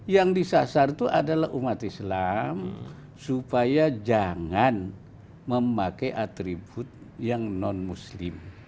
yang disasar itu adalah umat islam supaya jangan memakai atribut natal